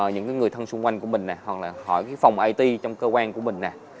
những người thân xung quanh của mình này hoặc là hỏi phòng it trong cơ quan của mình nè